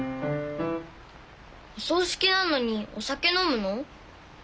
お葬式なのにお酒飲むの？